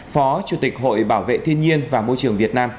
phó chủ tịch hội bảo vệ thiên nhiên và môi trường việt nam